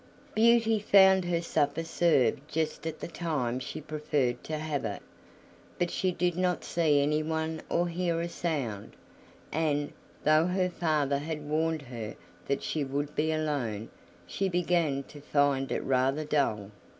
Beauty found her supper served just at the time she preferred to have it, but she did not see anyone or hear a sound, and, though her father had warned her that she would be alone, she began to find it rather dull.